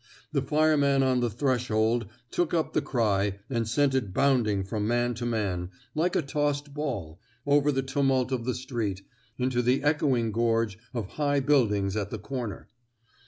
The fireman on the threshold took up the cry and sent it bounding from man to man, like a tossed ball, over the tumult of the street, into the echoing gorge of high build ings at the comer.